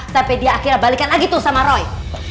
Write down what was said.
sampai dia akhirnya balikin lagi tuh sama roy